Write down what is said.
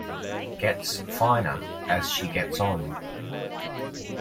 Gets finer as she gets on.